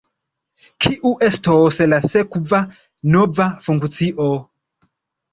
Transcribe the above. Kiu estos la sekva nova funkcio?